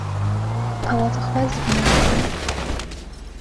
ئاواتەخوازی بمێنیتەوە؟